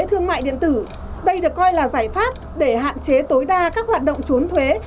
thương mại điện tử đây được coi là giải pháp để hạn chế tối đa các hoạt động trốn thuế